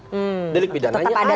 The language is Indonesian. hmm tetap ada celahnya ya